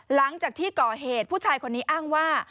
หลังจากที่ก่อเหตุผู้ชายคนนี้อ้างว่า